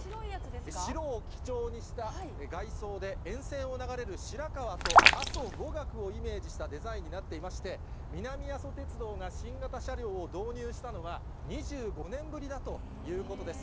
白を基調にした外装で、沿線を流れる白川と、阿蘇五岳をイメージしたデザインになっていまして、南阿蘇鉄道が新型車両を導入したのは２５年ぶりだということです。